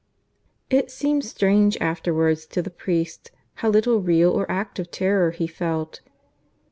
It seemed strange afterwards to the priest how little real or active terror he felt.